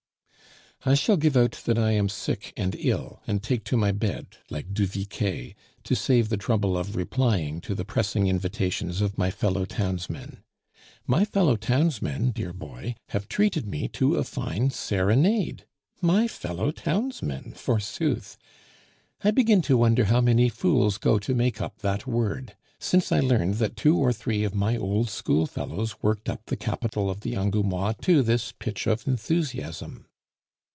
I shall give out that I am sick and ill, and take to my bed, like Duvicquet, to save the trouble of replying to the pressing invitations of my fellow townsmen. My fellow townsmen, dear boy, have treated me to a fine serenade. My fellow townsmen, forsooth! I begin to wonder how many fools go to make up that word, since I learned that two or three of my old schoolfellows worked up the capital of the Angoumois to this pitch of enthusiasm.